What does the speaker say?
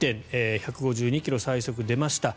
１５２ｋｍ、最速出ました。